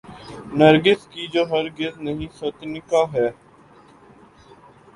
نرگس کی جو ہرگز نہیں سوتیعنقا ہے۔